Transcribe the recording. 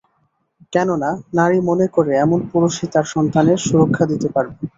কেননা, নারী মনে করে এমন পুরুষই তার সন্তানের সুরক্ষা দিতে পারবে।